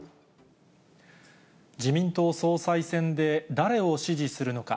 自民党総裁選で誰を支持するのか。